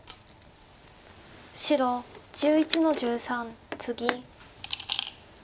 白１１の十三ツギ。